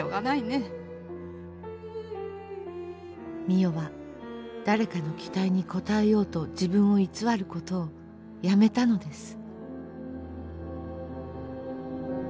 美世は誰かの期待に応えようと自分を偽ることをやめたのです。